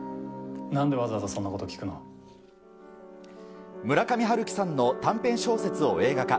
なんでわざわざそんなこと聞村上春樹さんの短編小説を映画化。